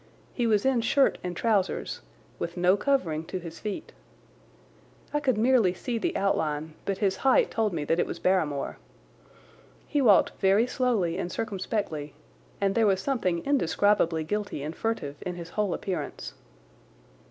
He was in shirt and trousers, with no covering to his feet. I could merely see the outline, but his height told me that it was Barrymore. He walked very slowly and circumspectly, and there was something indescribably guilty and furtive in his whole appearance.